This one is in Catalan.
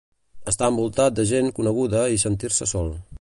Estar envoltat de gent coneguda i sentir-se sol